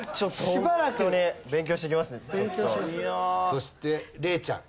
そして怜ちゃん。